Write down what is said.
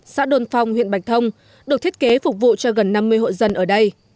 xã đồn phong huyện bạch thông được thiết kế phục vụ cho gần năm mươi hộ dân ở đây